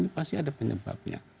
ini pasti ada penyebabnya